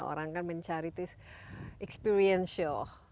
orang kan mencari itu experiential